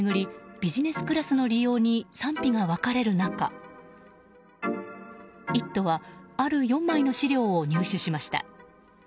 ビジネスクラスの利用に賛否が分かれる中「イット！」はある４枚の資料を入手しました。